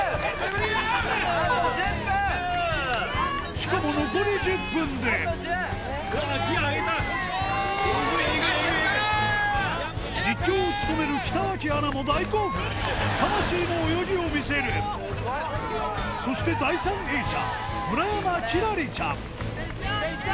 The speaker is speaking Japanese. しかも残り１０分で実況を務める北脇アナも大興奮魂の泳ぎを見せるそして第３泳者村山輝星ちゃんいったいった！